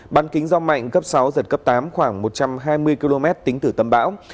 bán kính gió mạnh cấp sáu giật cấp tám khoảng một trăm hai mươi km tính từ tâm bão